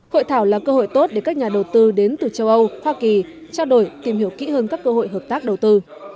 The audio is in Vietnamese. hội thảo là cơ hội tốt để các nhà đầu tư đến từ châu âu hoa kỳ trao đổi tìm hiểu kỹ hơn các cơ hội hợp tác đầu tư